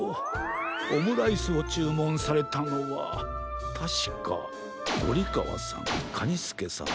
オムライスをちゅうもんされたのはたしかゴリかわさんカニスケさん